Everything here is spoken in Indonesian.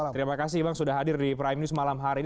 terima kasih bang sudah hadir di prime news malam hari ini